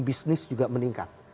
business juga meningkat